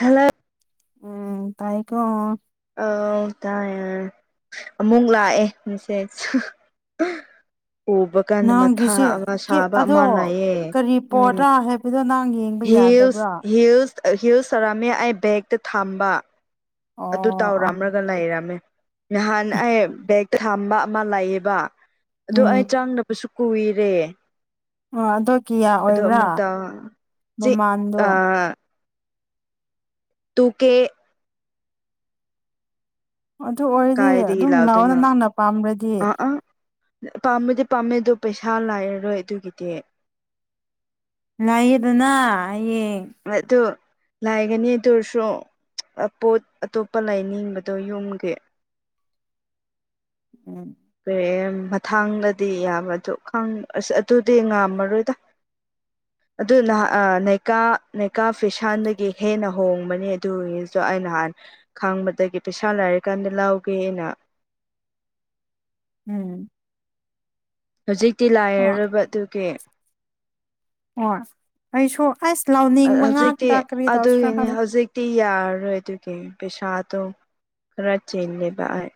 hello ꯎꯝ ꯇꯥꯏꯀꯣ ꯑ ꯇꯥꯏ ꯑꯃꯨꯛ ꯂꯥꯛꯑꯦ ꯃꯦꯁꯦꯖ [unintelligible] ꯎꯕ ꯀꯥꯟ ꯃꯊꯥ ꯅꯪꯒꯤꯁꯦ ꯑꯃ ꯀꯦ ꯁꯥꯕ ꯑꯗꯣ ꯑꯃ ꯂꯩꯌꯦ ꯀꯔꯤ ꯎꯝ ꯄꯣꯠꯔꯥ ꯍꯥꯏꯕꯗꯣ ꯅꯪ ꯌꯦꯡꯕ ꯍꯁ ꯌꯥꯗꯕ꯭ꯔꯥ ꯍꯁ ꯍꯤꯜꯁ ꯁꯥꯔꯝꯃꯦ ꯑꯩ ꯕꯦꯒꯛꯇ ꯊꯝꯕ ꯑꯗꯨ ꯑꯣ ꯑꯣ ꯇꯥꯎꯔꯝꯔꯒ ꯂꯩꯔꯝꯃꯦ ꯅꯍꯥꯟ ꯑꯩ ꯕꯦꯒ ꯊꯝꯕ ꯑꯃ ꯂꯩꯌꯦꯕ ꯑꯗꯨꯗ ꯑꯩ ꯎꯝ ꯆꯪꯗꯕꯁꯨ ꯀꯨꯏꯔꯦ ꯑꯣ ꯑꯗꯣ ꯀꯌꯥ ꯑꯗꯣ ꯑꯣꯏꯕ꯭ꯔꯥ ꯑꯃꯨꯛꯇ ꯆꯤꯛ ꯃꯃꯥꯟꯗꯣ ꯑꯥ ꯇꯨ ꯀ ꯑꯗꯨ ꯑꯣꯏꯔꯗꯤ ꯀꯥꯏꯗꯒꯤ ꯑꯗꯨꯝ ꯅꯅꯥꯑꯣꯅ ꯂꯥꯛꯗꯣꯏꯅꯣ ꯅꯅꯥꯪꯅ ꯄꯥꯝꯝꯕ꯭ꯔꯗꯤ ꯄꯥꯝꯃꯗꯤ ꯄꯥꯝꯃꯦꯗ ꯄꯩꯁꯥ ꯂꯥꯏꯔꯔꯣꯏ ꯑꯗꯨꯒꯤꯗꯤ ꯂ ꯑꯗꯨꯅ ꯑꯗꯨ ꯂꯥꯏꯒꯅꯤ ꯇꯔꯁꯨ ꯄꯣꯠ ꯑꯇꯣꯞꯄ ꯂꯥꯏꯅꯤꯡꯕꯗꯣ ꯌꯨꯝꯒꯤ [unintelligible] ꯎꯝ ꯐ ꯃꯊꯥꯡꯗꯗꯤ ꯌꯥꯝꯕ ꯑꯗꯨ ꯑꯁ ꯑꯗꯨꯗꯤ ꯉꯥꯝꯃꯔꯣꯏꯗ ꯑꯗꯨꯍ ꯏꯀꯥ ꯂꯩꯦꯀꯥ ꯐꯁꯥꯟꯗꯒꯤ ꯍꯦꯟꯅ ꯍꯣꯡꯕꯅꯤ ꯑꯗꯨꯒꯤꯁꯨ ꯑ ꯅꯍꯥꯟ ꯈꯪꯕꯗꯒꯤ ꯄꯩꯁꯥ ꯂꯥꯏꯔꯤ ꯔ ꯀꯥꯟꯗ ꯂꯥꯎꯒꯦꯅ ꯎꯝ ꯍꯧꯖꯤꯛꯇꯤ ꯂꯥꯏꯔꯔꯕ ꯑꯗꯨꯒꯤ ꯑꯣ ꯍꯧꯖꯤꯛꯇꯤ ꯀꯔꯤ ꯇꯧꯁꯤꯔꯥ ꯑꯗꯨꯒꯤꯅꯤ ꯈꯪꯗꯦ ꯍꯧꯖꯤꯛꯇꯤ ꯌꯥꯔꯔꯣꯏ ꯑꯗꯨꯒꯤ ꯄꯩꯁꯥ ꯇꯣ ꯈꯔ ꯆꯦꯟ ꯂꯩꯕꯥꯏ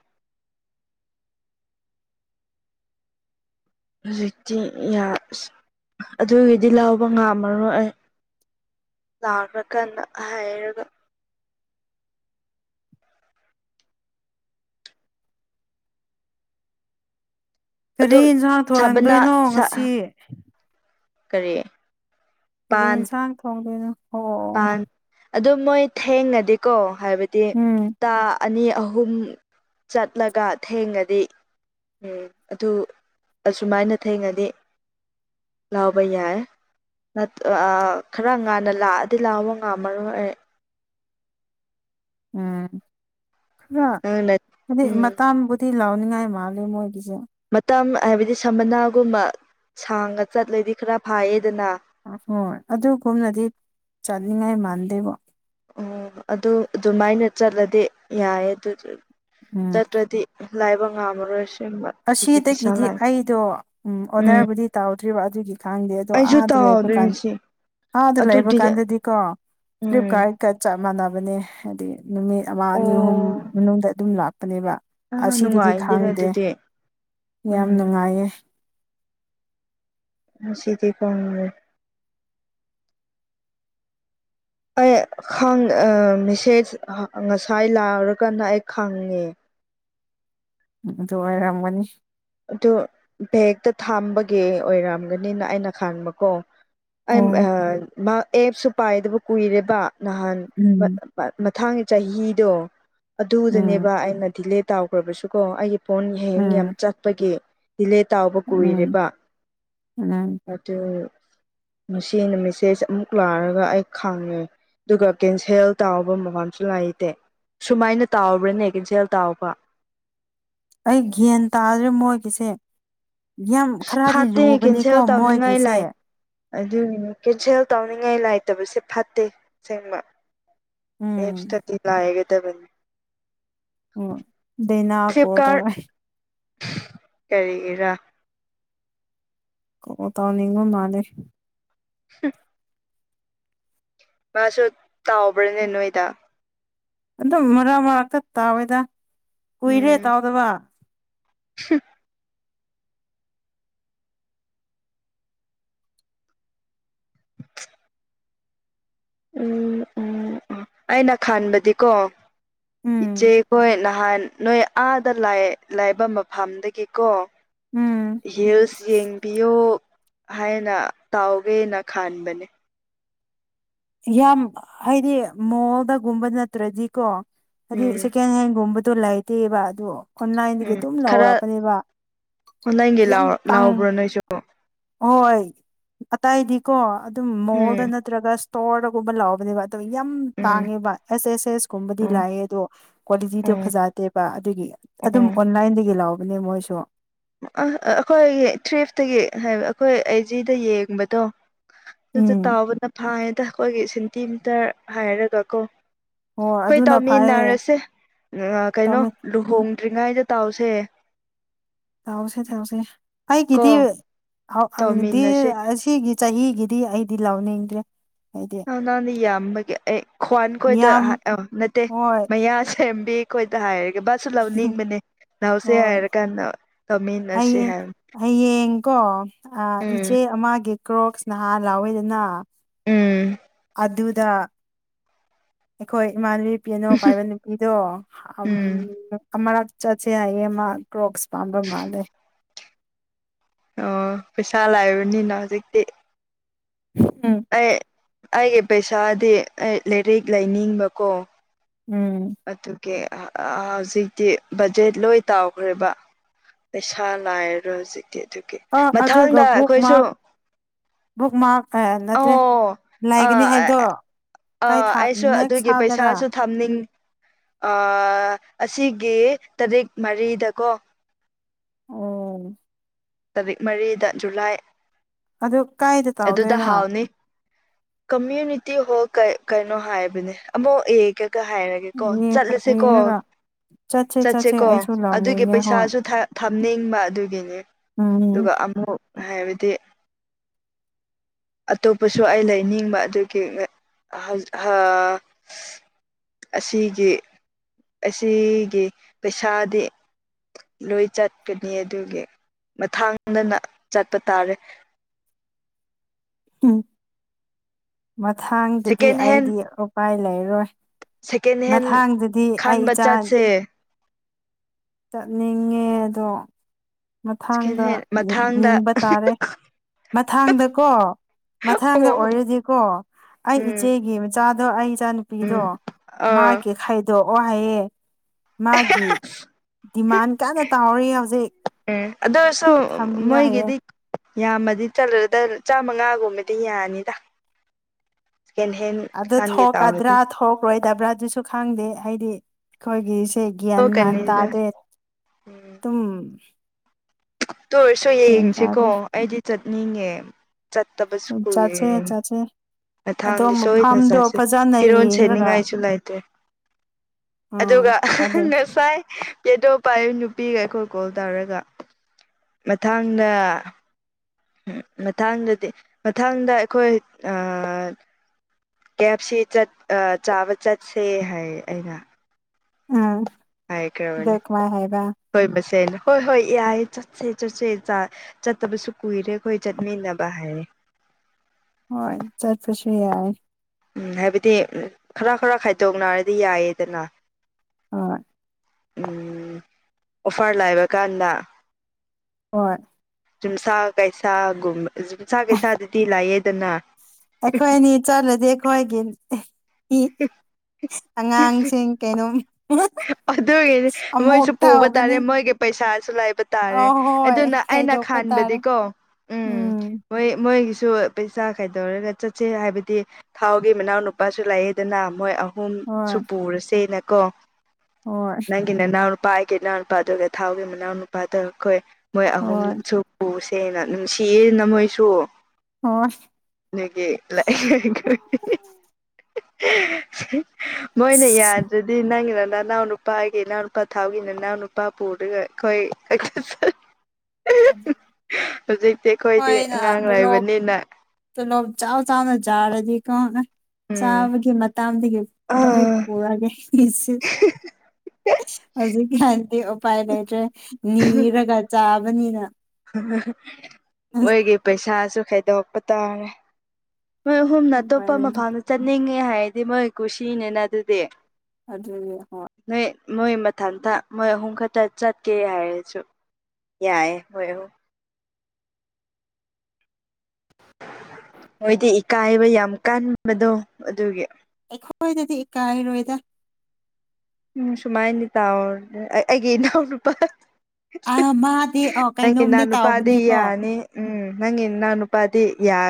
ꯍꯧꯖꯤꯛꯇꯤ ꯑꯗꯨꯒꯤꯗꯤ ꯂꯧꯕ ꯉꯝꯃꯔꯣꯏ ꯑꯩ ꯂꯥꯛꯈ꯭ꯔꯀ ꯍꯥꯏꯔꯒ ꯀꯔꯤ ꯑꯗꯨꯝ ꯌꯦꯟꯁꯥꯡ ꯁꯥꯕꯅ ꯊꯍꯟꯗꯣꯏꯅꯣ ꯉꯁꯤ ꯀꯔꯤ ꯐ ꯏꯟꯁꯥꯡ ꯊꯣꯡꯗꯅ ꯥꯟ ꯑꯗꯨꯣ ꯃꯣꯏ ꯊꯦꯡꯉꯗꯤꯀꯣ ꯍꯥꯏꯕꯗꯤ ꯎꯝ ꯇ ꯑꯅꯤ ꯑꯍꯨꯝ ꯆꯠꯂꯒ ꯊꯦꯡꯒꯗꯤ ꯎꯝ ꯑꯗꯨ ꯑꯁꯨꯃꯥꯏꯅ ꯊꯦꯡꯅꯅꯤ ꯂꯥꯎꯕ ꯌꯥꯏ ꯈꯔ ꯉꯥꯟꯅ ꯂꯥꯛꯑ ꯗꯤ ꯂꯥꯎꯑꯣ ꯉꯥꯝꯃꯔꯣꯏ ꯑꯦ ꯎꯝ ꯈꯔ ꯅꯪꯅ ꯍꯥꯏꯗꯤ ꯎꯝ ꯃꯇꯥꯡꯕꯨ ꯂꯥꯎꯅꯤꯡꯉꯥꯏ ꯃꯥꯜꯦ ꯃꯣꯏꯒꯤꯁ ꯃꯇꯝ ꯍꯥꯏꯕꯗꯤ ꯁꯃꯅꯥꯒꯨꯝꯕ ꯁꯥꯡꯉ ꯆꯠꯂꯗꯤ ꯈꯔ ꯐꯥꯏꯌꯦꯗꯅ ꯍꯣꯏ ꯑꯗꯨꯒꯨꯝꯅꯗꯤ ꯆꯥꯅꯤꯡꯉꯥꯏ ꯃꯥꯟꯗꯦꯕꯣ ꯑꯣ ꯑꯗꯨ ꯑꯗꯨꯃꯥꯏꯅ ꯆꯠꯂꯗꯤ ꯌꯥꯏꯌꯦ ꯑꯗꯨꯗꯤ ꯎꯝ ꯆꯠꯇ꯭ꯔꯗꯤ ꯂꯥꯏꯕ ꯉꯥꯝꯃꯔꯣꯏꯁꯨ ꯑꯁꯤꯗꯒꯤꯗꯤ ꯑꯩꯗꯣ ꯎꯝ ꯑꯣꯗꯔꯕꯨꯗꯤ ꯇꯧꯗ꯭ꯔꯤꯕ ꯑꯗꯨꯒꯤ ꯈꯥꯡꯗꯦ ꯑꯗꯣ ꯑꯩꯁꯨ ꯑꯥꯗ ꯂꯩꯕ ꯀꯥꯟꯗ ꯇꯥꯎꯗꯣꯏꯅꯤꯁꯤ ꯑ ꯑꯗꯨ ꯂꯩꯕ ꯑꯗꯨꯗꯤ ꯀꯥꯟꯗꯗꯤꯀꯣ ꯎꯝ ꯐ꯭ꯂꯤꯞꯀꯥꯔꯠꯀ ꯆꯞ ꯃꯥꯟꯅꯕꯅꯦ ꯍꯥꯏꯗꯤ ꯅꯨꯃꯤꯠ ꯑꯃ ꯑꯅꯤ ꯑꯣ ꯑꯍꯨꯝ ꯃꯅꯨꯡꯗ ꯑꯗꯨꯝ ꯂꯥꯛꯄꯅꯦꯕ ꯑ ꯑꯁꯤꯗꯗꯤ ꯅꯨꯡꯉꯥꯏꯗꯅ ꯈꯪꯗꯦ ꯑꯗꯨꯗꯤ ꯌꯥꯝ ꯎꯝ ꯅꯨꯡꯉꯥꯏꯌꯦ ꯁꯤꯗꯤ ꯀ ꯑꯩ ꯃꯦꯁꯦꯖ ꯉꯁꯥꯏ ꯂꯥꯛꯔꯒꯥꯟꯅ ꯑꯩ ꯈꯪꯉꯦ ꯎꯁꯨꯋꯥꯔꯝꯒꯅꯤ ꯑꯗꯨ ꯕꯦꯛꯇ ꯊꯥꯝꯕꯒꯤ ꯑꯣꯏꯔꯝꯝꯒꯅꯤꯅ ꯑꯩꯅ ꯈꯪꯕꯀꯣ ꯑꯩ ꯑꯣ ꯑꯦꯞꯁꯨ ꯄꯥꯏꯗꯕꯨ ꯀꯨꯏꯔꯦꯕ ꯅꯍꯥꯟ ꯎꯝ ꯊꯥꯡꯒꯤ ꯆꯍꯤꯗꯣ ꯎꯝ ꯑꯗꯨꯗꯅꯦꯕ ꯑꯩꯅ ꯗꯤꯂꯦ ꯇꯥꯎꯈ꯭ꯔꯕꯁꯨꯀꯣ ꯑꯩꯒꯤ ꯐꯣꯟ ꯍꯌꯦꯡ ꯌꯥꯝ ꯎꯝ ꯆꯠꯄꯒꯤ ꯗꯤꯂꯦ ꯇꯥꯎꯕ ꯎꯝ ꯀꯨꯏꯔꯦꯕ ꯎꯝ ꯑꯗꯨ ꯃꯁꯤꯅ ꯃꯦꯁꯦꯖ ꯑꯃꯨꯛ ꯂꯥꯛꯔꯒ ꯑꯩ ꯈꯪꯉꯦ ꯑꯗꯨꯒ ꯀꯦꯟꯁꯦꯜ ꯇꯥꯎꯕ ꯃꯐꯝꯁꯨ ꯂꯩꯇꯦ ꯁꯨꯃꯥꯏꯅ ꯇꯥꯎꯕ꯭ꯔꯥꯅꯦ ꯀꯟꯖꯦꯜ ꯇꯥꯎꯕ ꯑꯩ ꯒ꯭ꯌꯥꯟ ꯇꯥꯗ꯭ꯔꯦ ꯃꯣꯏꯒꯤꯁꯦ ꯌꯥꯝ ꯈꯔꯗꯤ ꯐꯠꯇꯦ ꯂꯨꯕꯅꯤꯀꯣ ꯃꯣꯏꯒꯤꯁꯦ ꯑꯗꯨꯒꯤꯅꯦ ꯀꯦꯟꯁꯦꯜ ꯇꯧꯅꯤꯡꯉꯥꯏ ꯂꯥꯏꯇꯕꯁꯦ ꯐꯠꯇꯦ ꯁꯦꯡꯕ ꯑꯦꯞ ꯎꯝ ꯏꯁꯇꯇꯤ ꯂꯑꯒꯗꯕꯅꯤ ꯎꯝ ꯗꯅꯥ ꯀꯣꯜ ꯇꯔꯥꯏ ꯀꯔꯤꯒꯤꯔ ꯇꯅꯤꯡꯉꯣ ꯃꯥꯦ ꯍ ꯃꯥꯁꯨ ꯇꯥꯥꯎꯕꯅ ꯏꯅꯣ ꯑꯣꯏ ꯏꯗ ꯑꯗꯨꯝ ꯃꯔꯛ ꯃꯔꯛꯇ ꯇꯥꯎꯋꯏꯗ ꯀꯨꯏꯔꯦ ꯇꯥꯎꯗꯕ ꯍ ꯎꯝ ꯎꯝ ꯎꯝ ꯑꯩꯅ ꯈꯟꯕꯗꯤꯀꯣ ꯎꯝ ꯏꯆꯦꯈꯣꯏ ꯅꯍꯥꯟ ꯅꯣꯏ ꯑꯥꯗ ꯂꯥꯏꯕ ꯃꯐꯝꯗꯒꯤ ꯀꯣ ꯎꯝ ꯍꯤꯜꯁ ꯌꯦꯡꯕꯤꯌꯣ ꯍꯥꯏꯅ ꯇꯥꯎꯒꯦꯅ ꯈꯥꯟꯕꯅꯦ ꯌꯥꯝ ꯍꯥꯏꯗꯤ ꯃꯣꯜꯗꯒꯨꯝꯕ ꯅꯠꯇ꯭ꯔꯗꯤꯀꯣ ꯍꯥꯏꯗꯤ ꯎꯝ ꯁꯦꯀꯦꯟ ꯍꯦꯟꯒꯨꯝꯕꯗꯣ ꯂꯩꯇꯦꯕ ꯑꯗꯣ ꯑꯣꯟꯂꯥꯏꯟꯗꯒꯤ ꯎꯝ ꯑꯗꯨꯝ ꯈꯔ ꯂꯧꯔꯛꯄꯅꯦꯕ ꯅꯪꯒꯤ ꯌꯥꯝ ꯇꯪ ꯂꯥꯎꯕ꯭ꯔꯣ ꯅꯣꯏꯁꯨ ꯍꯣꯏ ꯑꯇꯩꯗꯤꯀꯣ ꯑꯗꯨꯝ ꯎꯝ ꯃꯣꯜꯗ ꯅꯠꯇ꯭ꯔꯒ ꯏꯁꯇꯣꯔꯗꯒꯨꯝꯕ ꯂꯥꯛꯕꯅꯦꯕ ꯑꯣ ꯌꯥꯝ ꯎꯝ ꯇꯥꯡꯉꯦꯕ ꯑꯦꯁ ꯑꯦꯁ ꯑꯦꯁ ꯀꯨꯝꯕꯗꯤ ꯂꯥꯛꯑꯦ ꯑꯗꯣ ꯀ꯭ꯋꯥꯂꯤꯇꯤꯗꯣ ꯑꯣ ꯐꯖꯗꯦꯕ ꯑꯗꯨꯒꯤ ꯑꯗꯨꯝ ꯑꯣꯟꯂꯥꯏꯟꯗꯒꯤ ꯂꯥꯛꯧꯕꯅꯦ ꯃꯣꯏꯁꯨ ꯑ ꯑꯩꯈꯣꯏꯒꯤ ꯇ꯭ꯔꯤꯐꯇꯒꯤ ꯍꯥꯏ ꯑꯩꯈꯣꯏ ꯑꯩꯖꯤꯗ ꯌꯦꯡꯕꯗꯣ ꯑꯗꯨꯗ ꯎꯝ ꯇꯥꯎꯕꯅ ꯐꯥꯏꯌꯦꯗ ꯑꯩꯈꯣꯏꯒꯤ ꯁꯦꯟꯇꯤꯃꯤꯇꯔ ꯍꯥꯏꯔꯒ ꯀꯣ ꯍꯣ ꯍꯣꯏ ꯑꯗꯨꯅ ꯐꯔꯦ ꯇꯧꯃꯤꯟꯅꯔꯁꯦ ꯀꯩꯅꯣ ꯇꯧꯃꯤ ꯂꯨꯍꯣꯡ ꯇ꯭ꯔꯤꯉꯥꯏꯗꯦ ꯇꯥꯎꯁꯦ ꯑꯩꯒꯤꯗꯤꯗꯤ ꯇꯧꯃꯤꯟꯅꯁꯦ ꯑꯁꯤꯒꯤ ꯆꯍꯤꯒꯤ ꯗꯤ ꯑꯩꯗꯤ ꯂꯥꯎꯅꯤꯡꯗ꯭ꯔꯦ ꯍꯥꯏꯗꯤ ꯅꯪ ꯅꯥ ꯅꯍꯥꯟꯅꯦ ꯌꯥꯝꯕꯒꯤ ꯑꯦ ꯈ꯭ꯋꯥꯟꯈꯣꯏꯗ ꯌꯥꯝ ꯑ ꯅꯠꯇꯦ ꯍꯣꯏ ꯃꯌꯥ ꯁꯦꯝ ꯑꯣꯏꯣꯏꯗ ꯍꯥꯏ ꯕꯥꯁꯁꯨ ꯂꯧꯅꯤꯡꯕꯅꯦ ꯂꯧꯁꯦ ꯍꯣꯏ ꯍꯥꯏꯔ ꯀꯥꯟꯗ ꯂꯧꯃꯤꯟꯅꯁ ꯍꯥꯏꯕꯥꯅꯦ ꯀꯣ ꯏꯆꯦ ꯑꯃꯒꯤ ꯀ꯭ꯔꯣꯛꯁ ꯅꯍꯥꯟ ꯂꯥꯎꯋꯦꯗꯅ ꯎꯝ ꯑꯗꯨꯗ ꯑꯩꯈꯣꯏ ꯏꯃꯥꯟꯅꯕꯤ ꯄꯤꯅꯣ ꯄꯥꯏꯕ ꯅꯨꯄꯤꯗꯣ ꯎꯝ ꯆꯠꯁꯦ ꯍꯥꯏꯌꯦ ꯃꯥ ꯀ꯭ꯔꯣꯁ ꯄꯥꯝꯕ ꯃꯥꯜꯂꯦ ꯑꯣ ꯄꯩꯁꯥ ꯂꯥꯛꯕꯅꯤꯅ ꯍꯧꯖꯤꯛꯇꯤ ꯎꯝ ꯑꯩ ꯑꯩꯒꯤ ꯄꯩꯁꯥꯗꯤ ꯑꯩ ꯂꯥꯏꯔꯤꯛ ꯂꯩꯅꯤꯡꯕꯀꯣ ꯎꯝ ꯑꯣꯀꯦ ꯍꯧꯖꯤꯛꯇꯤ ꯕꯖꯦꯠ ꯂꯣꯏ ꯇꯥꯎꯈ꯭ꯔꯦꯕ ꯄꯩꯁꯥ ꯂꯥꯏꯔꯔꯣꯏ ꯍꯧꯖꯤꯛꯇꯤ ꯑꯗꯨꯒꯤ ꯑ ꯑꯗꯨꯒ ꯃꯊꯪꯗ ꯕꯨꯛ ꯑꯩꯈꯣꯏꯁꯨ ꯃꯥꯔꯛ ꯕꯨꯛ ꯃꯥꯔꯛ ꯑꯦ ꯅꯠꯇ꯭ꯔꯦ ꯑꯣ ꯑ ꯂꯥꯏꯒꯅꯤ ꯍꯥꯏꯕꯗꯣ ꯀꯥꯏ ꯑꯥ ꯊꯥ ꯑꯩꯁꯨ ꯅꯦꯛꯁ ꯑꯗꯨꯒꯤ ꯊꯥꯗꯔꯥ ꯄꯩꯁꯥꯁꯨ ꯊꯝꯅꯤꯡꯉ ꯑꯥ ꯑꯁꯤꯒꯤ ꯇꯔꯤꯛ ꯃꯔꯤꯗꯀꯣ ꯎꯝ ꯇꯥꯔꯤꯛ ꯃꯔꯤꯗ ꯖꯨꯂꯥꯏ ꯑꯗꯨ ꯀꯥꯏꯗ ꯇꯥꯎꯗꯣꯏꯅꯣ ꯀꯃ꯭ꯌꯨꯅꯤꯇꯤ ꯍꯣ ꯀꯩꯅꯣ ꯍꯥꯏꯕꯅꯦ ꯑꯃꯨꯛ ꯀ ꯍꯥꯏꯔꯒꯦ ꯀꯣ ꯆꯠꯂꯁꯦꯀꯣ ꯌꯦꯡꯉꯒ ꯆꯠꯁꯦ ꯆꯠꯁꯦ ꯆꯠꯁꯦꯀꯣ ꯑꯩꯁꯨ ꯑꯗꯨꯒꯤ ꯂꯥꯎꯅꯤꯡꯉꯦ ꯍꯣꯏ ꯄꯩꯁꯥꯁꯨ ꯊꯝꯅꯤꯡꯕ ꯑꯗꯨꯒꯤꯅꯤ ꯎꯝ ꯑꯗꯨꯒ ꯑꯃꯨꯛ ꯍꯥꯏꯕꯗꯤ ꯑꯇꯣꯞꯄꯁꯨ ꯑꯩ ꯂꯩꯅꯤꯡꯕ ꯑꯗꯨꯒꯤ ꯑꯁꯤꯒꯤ ꯑꯁꯤꯒꯤ ꯄꯩꯁꯥꯗꯤ ꯂꯣꯏ ꯆꯠꯀꯅꯤ ꯑꯗꯨꯒꯤ ꯃꯊꯥꯡꯗꯅ ꯆꯠꯄ ꯇꯥꯔꯦ ꯎꯝ ꯃꯊꯥꯡꯗꯗꯤ ꯁꯦꯀꯦꯟ ꯍꯦꯟ ꯑꯩꯗꯤ ꯎꯄꯥꯏ ꯂꯩꯔꯣꯏ ꯁꯦꯀꯦꯟ ꯍꯦꯟ ꯃꯊꯥꯡꯗꯗꯤ ꯑꯩ ꯈꯟꯕ ꯏꯆꯥ ꯆꯠꯁꯦ ꯆꯠꯅꯤꯡꯉꯦ ꯑꯗꯣ ꯁꯦꯀꯦꯟ ꯃꯊꯥꯡꯗ ꯍꯦꯟ ꯃꯊꯥꯡꯗ ꯌꯦꯡꯕ ꯇꯥꯔꯦ ꯃꯊꯥꯡꯗꯀꯣ ꯃꯊꯪꯗ ꯑꯣ ꯑꯣꯏꯔꯗꯤꯀꯣ ꯑꯩ ꯎꯝ ꯏꯆꯦꯒꯤ ꯃꯆꯥꯗꯣ ꯑꯩ ꯎꯝ ꯏꯆꯥꯟꯨꯄꯤꯗꯣ ꯑꯥ ꯃꯥꯒꯤꯦ ꯈꯥꯏꯗꯣꯛꯑꯣ ꯍꯥꯏꯌꯦ ꯃꯥꯒꯤ ꯗꯤꯃꯥꯟ ꯀꯟꯅ ꯇꯧꯔꯤ ꯍꯧꯖꯤꯛ ꯑꯗꯣꯁꯨ ꯊꯝꯕꯤꯌꯣ ꯍꯥꯏꯌꯦ ꯃꯣꯏꯒꯤꯗꯤ ꯌꯥꯝꯃꯗꯤ ꯆꯠꯂꯗ ꯆꯥꯃꯉꯥꯒꯨꯝꯕꯗꯤ ꯌꯥꯅꯤꯗ ꯁꯦꯀꯦꯟ ꯍꯦꯟ ꯑꯗꯨ ꯈꯟꯒꯦ ꯇꯧꯔꯗꯤ ꯊꯣꯛꯀꯗ꯭ꯔꯥ ꯊꯣꯛꯂꯣꯏꯗꯕ꯭ꯔꯥ ꯑꯗꯨꯁꯨ ꯈꯪꯗꯦ ꯍꯥꯏꯗꯤ ꯑꯩꯈꯣꯏꯒꯤ ꯒꯤꯌꯥꯟ ꯃꯥꯟ ꯊꯣꯛꯀꯅꯤꯗ ꯇꯥꯗꯦ ꯎꯝ ꯑꯗꯨꯝ ꯇꯨꯔꯁꯨ ꯒ꯭ꯌꯥꯟ ꯌꯦꯡꯁꯤꯀꯣ ꯇꯥꯗꯦ ꯑꯩꯗꯤ ꯆꯠꯅꯤꯡꯉꯦ ꯆꯠꯇꯕꯁꯨ ꯑꯗꯨꯝ ꯆꯠꯁꯦ ꯀꯨꯏꯔꯦ ꯆꯠꯁꯦ ꯑꯗꯣ ꯃꯊꯥꯝꯗꯤ ꯁꯣꯏꯗꯅ ꯃꯐꯝꯗꯣ ꯆꯥꯁꯤ ꯐꯖꯅ ꯐꯤꯔꯣꯜ ꯌꯦꯡꯔꯒ ꯁꯦꯠꯅꯤꯡꯉꯥꯏꯁꯨ ꯂꯩꯥꯏꯇ꯭ꯔꯦ ꯎꯝ ꯑꯗꯨꯒ ꯑꯗꯨ ꯉꯁꯥꯏ ꯀꯦꯇꯧ ꯄꯌꯨ ꯅꯨꯄꯤꯒ ꯑꯩꯈꯣꯏ ꯀꯣꯜ ꯇꯧꯔꯒ ꯃꯊꯪꯗ ꯎꯝ ꯃꯊꯥꯡꯗꯗꯤ ꯃꯊꯪꯗ ꯑꯩꯈꯣꯏ ꯀꯦꯞꯁꯤ ꯆꯥꯕ ꯆꯠꯁꯦ ꯍꯥꯏ ꯑꯩꯅ ꯑꯝ ꯍꯥꯏꯈ꯭ꯔꯕꯅꯤ ꯍꯣꯏ ꯃꯁꯦꯅ ꯍꯣꯏ ꯍꯣꯏ ꯌꯥꯏ ꯆꯠ ꯆꯠꯁꯦ ꯆꯠꯁꯦ ꯆꯠꯇꯕꯁꯨ ꯀꯨꯏꯔꯦ ꯑꯩꯈꯣꯏ ꯆꯠꯃꯤꯟꯅꯕ ꯍꯥꯏꯔꯦ ꯍꯣꯏ ꯆꯠ ꯄꯁꯨ ꯌꯥ ꯎꯝ ꯍꯥꯏꯕꯗꯤ ꯈꯔ ꯈꯔ ꯈꯥꯏꯗꯣꯛꯅꯔꯗꯤ ꯌꯥꯏꯌꯦꯗꯅ ꯍꯣꯏ ꯎꯝ ꯋꯥꯐꯥꯔ ꯂꯥꯏꯕ ꯀꯥꯟꯗ ꯍ ꯌꯨꯝꯁꯥ ꯀꯩꯁꯥꯒꯨꯝ ꯌꯨꯝꯁꯥ ꯀꯩꯁꯥꯗꯨꯗꯤ ꯂꯥꯛꯑꯦꯗꯅ ꯑꯦꯈꯋꯥꯅꯤ ꯆꯂꯗꯤꯈꯋꯥꯒ ꯑꯉꯥꯡꯁꯤꯡ ꯀꯩꯅꯣꯝ ꯑꯗꯨꯒꯤ ꯑꯃꯨꯛ ꯃꯣꯏꯁꯨ ꯄꯨꯕ ꯇꯧꯒꯅꯤ ꯇꯥꯔꯦ ꯃꯣꯏꯒꯤ ꯄꯩꯁꯥꯁꯨ ꯂꯩꯕ ꯑ ꯇꯥꯔꯦ ꯍꯣꯏ ꯑꯗꯨꯅ ꯑꯩꯅ ꯀꯩꯗꯣꯛꯄ ꯇꯥꯔꯦ ꯈꯥꯟꯕꯗꯤꯀꯣ ꯎꯝ ꯃꯣꯏ ꯃꯣꯏꯒꯤ ꯁꯨ ꯄꯩꯁꯥ ꯀꯩꯗꯧꯔꯒ ꯆꯠꯁꯦ ꯍꯥꯏꯕꯗꯤ ꯊꯥꯎꯒꯤ ꯃꯅꯥꯎ ꯅꯨꯄꯥꯁꯨ ꯂꯥꯛꯑꯦꯗꯅ ꯃꯣꯏ ꯑꯍꯨꯝ ꯍꯣꯏ ꯁꯨ ꯄꯨꯔꯁꯦꯅꯀꯣ ꯍꯣꯏ ꯅꯪꯒꯤ ꯅꯅꯥꯎ ꯅꯨꯄꯥꯒꯤ ꯏꯅꯥꯎꯅ ꯅꯨꯄꯥ ꯑꯗꯨꯒ ꯊꯥꯎꯒꯤ ꯃꯅꯥꯎ ꯅꯨꯄꯥꯗ ꯑꯩꯈꯣꯏ ꯃꯣꯏ ꯍꯣꯏ ꯑꯍꯨꯝꯁꯨ ꯄꯨꯁꯤ ꯁꯦꯡꯅ ꯅꯨꯡꯁꯤꯌꯦꯅ ꯃꯣꯏꯁꯨ ꯍꯣꯏ ꯅꯒꯤ ꯂ ꯃꯣꯏꯅ ꯌꯥꯗ꯭ꯔꯗꯤ ꯅꯪꯒꯤꯔ ꯏꯅꯥꯎ ꯅꯨꯄꯥꯒꯤ ꯏꯅꯥꯎꯅ ꯅꯨꯄꯥ ꯊꯥꯎꯒꯤ ꯅꯅꯥꯎ ꯅꯨꯄꯥ ꯄꯨꯔꯒ ꯑꯩꯈꯣꯏ ꯑꯁ ꯍꯧꯖꯤꯛꯇꯤ ꯑꯩꯈꯣꯏꯗꯤ ꯑꯉꯥꯡ ꯂꯩꯕꯅꯤꯅ ꯂꯣ ꯆꯥꯎ ꯆꯥꯎꯅ ꯥꯔꯗꯤ ꯀ ꯆꯥꯕꯒꯤ ꯃꯇꯥꯡꯗꯒꯤ ꯂꯣꯏ ꯎꯝ ꯄꯨꯔꯒꯦ ꯍꯧꯖꯤꯛꯀꯤ ꯍꯥꯟꯗꯤ ꯎꯄꯥꯏ ꯂꯩꯇ꯭ꯔꯦ ꯅꯤꯔꯒ ꯆꯥꯕꯅꯤꯅ ꯃꯣꯏꯒꯤ ꯄꯩꯁꯥꯁꯨ ꯈꯥꯏꯗꯣꯛꯄ ꯇꯥꯔꯦ ꯃꯣꯏ ꯑꯍꯨꯝꯅ ꯎꯄꯥꯏ ꯑꯇꯣꯞꯄ ꯂꯩꯇ꯭ꯔꯦ ꯃꯐꯝꯗ ꯆꯠꯅꯤꯡꯉꯦ ꯍꯥꯏꯔꯗꯤ ꯃꯣꯏ ꯀꯨꯁꯤꯅꯤꯅ ꯑꯗꯨꯗꯤ ꯑꯗꯨ ꯍꯣꯏ ꯅꯣꯏ ꯃꯣꯏ ꯃꯊꯟꯇ ꯃꯣꯏ ꯑꯍꯨꯝ ꯈꯛꯇ ꯆꯠꯀꯦ ꯍꯥꯏꯔꯁꯨ ꯌꯥꯏꯏ ꯍꯣꯏ ꯃꯣꯏꯗꯤ ꯏꯀꯥꯏꯕ ꯌꯥꯝ ꯀꯟꯕꯗꯣ ꯑꯗꯨꯒꯤ ꯑꯩꯈꯣꯏꯗꯗꯤ ꯀꯥꯏꯔꯣꯏꯗ ꯁꯨꯃꯥꯏ ꯇꯥꯎ ꯑꯩꯒꯤ ꯏꯅꯥꯎ ꯅꯨꯄꯥ ꯑꯥ ꯃꯥꯗꯤ ꯑꯥ ꯅꯪꯒꯤꯅꯥ ꯀꯩꯅꯣꯝꯗꯤ ꯅꯨꯄꯥꯗꯤ ꯇꯥꯎꯕꯅꯦꯀꯣ ꯌꯥꯅꯤ ꯎꯝ ꯅꯪ ꯏꯅ ꯑꯟꯄꯗꯤ ꯌꯥ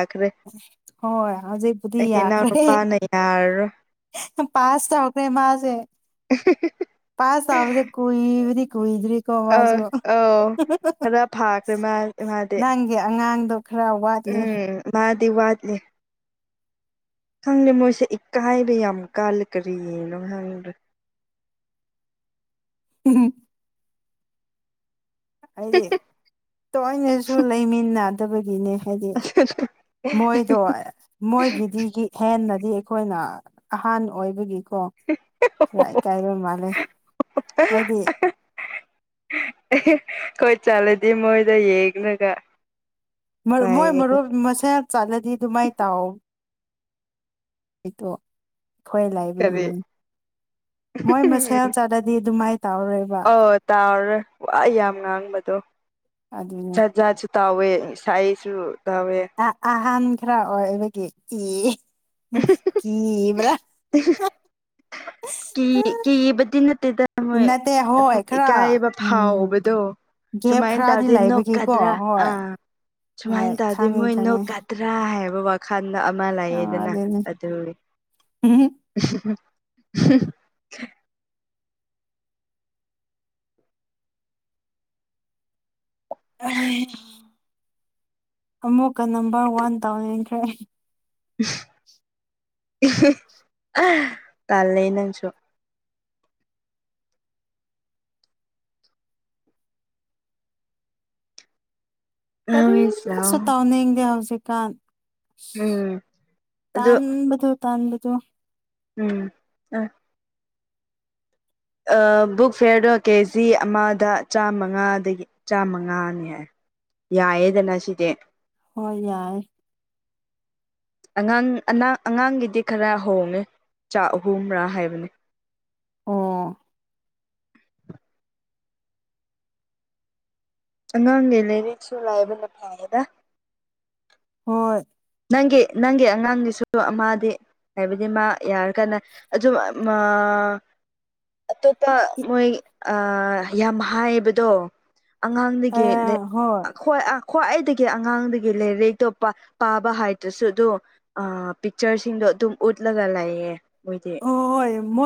ꯍꯣꯏ ꯍꯧꯖꯤꯛꯄꯗꯤ ꯌꯥꯈ꯭ꯔꯦ ꯏꯅꯥꯎꯅꯨꯄꯥꯅ ꯌꯥꯔꯔꯣꯏ ꯄꯥꯁ ꯊ ꯑꯣꯈꯔ ꯃꯥꯁꯦ ꯄꯁꯕꯗ ꯀꯏꯔꯤ ꯀꯏꯗꯔꯤ ꯑꯥ ꯀꯣꯖ ꯑꯧ ꯈꯔ ꯐꯥꯈ꯭ꯔꯦ ꯃꯥ ꯃꯥꯗꯤ ꯅꯪꯒꯤ ꯑꯉꯥꯡꯗꯣ ꯈꯔ ꯋꯥꯠꯂꯤ ꯗꯤ ꯋꯥꯗ ꯂꯩꯦ ꯈꯪꯗꯦ ꯃꯣꯏꯁꯦ ꯏꯀꯥꯏꯕ ꯌꯥꯝ ꯀꯥꯂꯦ ꯀꯔꯤꯒꯤꯅꯣ ꯍꯪꯉꯤꯕ꯭ꯔ ꯎꯝ ꯍꯥꯏꯗꯤ ꯇꯣꯏꯅꯁꯨ ꯂꯩꯃꯤꯟꯅꯗꯕꯒꯤꯅꯦ ꯍꯥꯏꯗꯤ ꯃꯣꯏꯗꯣ ꯃꯣꯏꯒꯤꯗꯤ ꯍꯦꯟꯅꯗꯤ ꯑꯩꯈꯣꯏꯅ ꯑꯍꯥꯟꯕ ꯑꯣꯏꯕꯒꯤ ꯀꯣ ꯈꯔ ꯏꯀꯥꯏꯔꯣꯏ ꯃꯥꯜꯂꯦ ꯍꯥꯏꯗꯤ ꯈꯣꯏ ꯆꯠꯂꯗꯤ ꯃꯣꯏꯗ ꯌꯦꯡꯅꯒ ꯨꯞ ꯃꯣꯏ ꯃꯔꯨꯞ ꯃꯁꯦꯟ ꯆꯠꯂꯗꯤ ꯑꯗꯨꯃꯥꯏꯅ ꯇꯥꯎꯑꯣ ꯑꯩꯇꯣ ꯍꯣꯏ ꯀꯔꯤ ꯂꯥꯏꯕꯒꯤꯅꯦ ꯃꯣꯏ ꯃꯁꯦꯜ ꯆꯥꯗꯗꯤ ꯑꯗꯨꯃꯥꯏ ꯑ ꯇꯥꯎꯔꯦ ꯋꯥ ꯌꯥꯝ ꯉꯥꯡꯕꯗꯣ ꯑꯗꯨ ꯑꯗꯨꯅꯦ ꯇꯋꯦ ꯁꯥꯏꯁꯨ ꯑꯍꯥꯟ ꯈꯔ ꯑꯣꯏꯕꯒꯤ ꯏ ꯀꯕ꯭ꯔ ꯀꯤꯕꯗꯤ ꯅꯠꯇꯦꯗ ꯃꯣꯏ ꯅꯠꯇꯦ ꯍꯣꯏ ꯑꯗꯨꯝ ꯈꯔ ꯏꯀꯥꯏꯕ ꯎꯝ ꯐꯥꯎꯕꯗꯣ ꯒꯦꯞ ꯁꯨꯃꯥꯏ ꯏꯟ ꯈꯔꯗꯤ ꯇꯋꯥꯔꯗ ꯂꯩꯕꯒꯤꯀꯣ ꯏꯅꯣꯈꯗ꯭ꯔꯥ ꯑ ꯍꯣꯏ ꯍꯣꯏ ꯁꯨꯃꯥꯏꯅ ꯇꯧꯗꯤ ꯈꯪꯉꯤ ꯃꯣꯏꯅꯣ ꯈꯪꯉꯤ ꯀꯗ꯭ꯔꯥ ꯍꯥꯏꯕ ꯋꯥꯈꯜꯗ ꯑꯃ ꯑ ꯂꯥꯛꯌꯦꯗꯅ ꯑꯗꯨꯅꯦ ꯑꯗꯨ ꯍ ꯑꯃꯨꯛꯀ ꯅꯝꯕꯔ ꯋꯥꯟ ꯇꯧꯅꯤꯡꯟꯈ꯭ꯔꯦ ꯀꯂ ꯅꯪꯁꯨꯣ ꯀꯔꯤꯁꯨ ꯇꯥꯎꯅꯤꯡꯗꯦ ꯍꯧꯖꯤꯛꯀꯥꯟ ꯎꯝ ꯑꯗꯨꯗꯣ ꯇꯥꯟꯥꯟꯕꯁꯨꯣ ꯎꯝ ꯑ ꯕꯨꯛ ꯐꯤꯦꯔꯗꯣ ꯀꯦꯖꯤ ꯑꯃꯗ ꯆꯥꯃꯉꯥꯗꯒꯤ ꯆꯥꯃꯉꯥꯅꯤ ꯍꯥꯏ ꯌꯥꯏꯑꯦꯗꯅ ꯁꯤꯗꯤꯦ ꯍꯣꯏ ꯌꯥꯏ ꯑꯉꯥꯡ ꯑ ꯑꯉꯥꯡꯒꯤꯗꯤ ꯈꯔ ꯍꯣꯡꯉꯦ ꯆꯥꯛ ꯑꯍꯨꯝ꯭ꯔꯥ ꯍꯥꯏꯕꯅꯤ ꯑꯣ ꯅꯪ ꯂꯩ ꯂꯩꯔꯤꯁꯨ ꯂꯑꯕꯅ ꯐꯥꯑꯗ ꯍꯣꯏ ꯅꯪꯒꯤ ꯅꯪꯒꯤ ꯑꯉꯥꯡꯒꯤꯁꯨ ꯑꯃꯗꯤꯗꯤ ꯍꯥꯏꯕꯗꯤ ꯃꯥ ꯌꯥꯔ ꯀꯥꯟꯅ ꯑꯗꯨꯝ ꯑꯇꯣꯞꯄ ꯃꯣꯏ ꯌꯥꯝ ꯍꯥꯏꯕꯗꯣ ꯑ ꯑꯉꯥꯡꯗꯒꯤꯣꯏ ꯍꯣꯏ ꯈ꯭ꯋꯥꯏꯗꯒꯤ ꯑꯉꯥꯡꯗꯒꯤ ꯂꯩꯔꯇꯣꯞꯄ ꯄꯥꯕ ꯍꯥꯏꯗ꯭ꯔꯁꯨ ꯑꯗꯨꯣ ꯄꯤꯛꯆꯔꯁꯤꯡꯗꯣ ꯑꯗꯨꯝ ꯎꯠꯂꯒ ꯂꯩꯌꯦꯦ ꯑꯣ ꯍꯣꯏ ꯃꯣꯏ